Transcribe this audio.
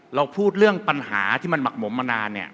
เราพูดเรื่องปัญหาที่มันหมักหมมมานานเนี่ย